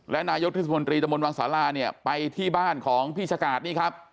และนายกเทศมนตรีตะมนตวังศาลาเนี่ยไปที่บ้านของพี่ชะกาดนี่ครับ